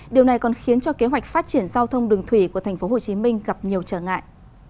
điều này còn khiến cho kế hoạch phát triển giao thông đường thủy của tp hcm gặp nhiều trở ngại